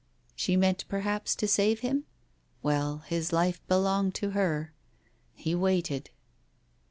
She meant perhaps to save him? Well, his life belonged to her. He waited.